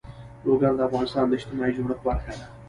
لوگر د افغانستان د اجتماعي جوړښت برخه ده.